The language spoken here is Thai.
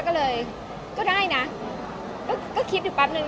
แย่ก็เลยก็ได้นะก็คิดอีกปั๊บหนึ่ง